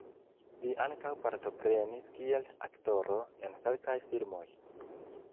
Li ankaŭ partoprenis kiel aktoro en kelkaj filmoj.